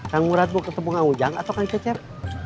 kang murad mau ketemu kang ujang atau kang cecep